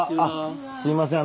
すみません